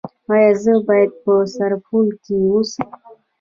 ایا زه باید په سرپل کې اوسم؟